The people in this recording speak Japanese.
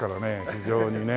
非常にね。